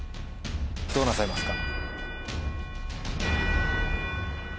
どうなさいますか？